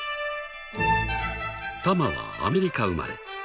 ［タマはアメリカ生まれ］